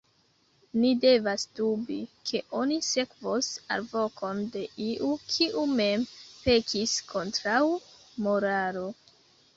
Ni devas dubi, ke oni sekvos alvokon de iu, kiu mem pekis kontraŭ moralo.